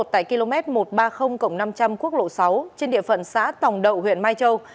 tại km một trăm ba mươi năm trăm linh quốc lộ sáu trên địa phận xã tòng đậu huyện mai châu